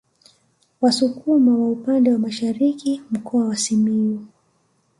Wasukuma wa upande wa Masharini Mkoa wa Simiyu